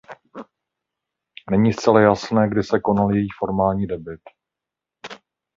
Není zcela jasné kdy se konal její formální debut.